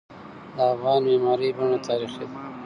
د افغان معماری بڼه تاریخي ده.